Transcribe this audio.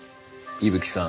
伊吹さん！